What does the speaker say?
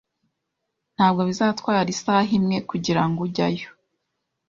Ntabwo bizatwara isaha imwe kugirango ujyayo